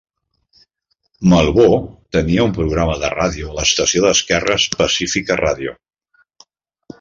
Malveaux tenia un programa de ràdio a l'estació d'esquerres Pacifica Radio.